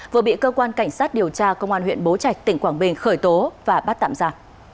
vừa bị cơ quan cảnh sát điều tra công an huyện bố trạch tỉnh quảng bình khởi tố và bắt tạm ra